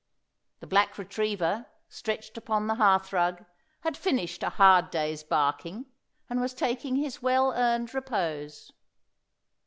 The black retriever, stretched upon the hearth rug, had finished a hard day's barking, and was taking his well earned repose.